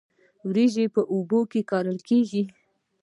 وریجې په اوبو کې کرل کیږي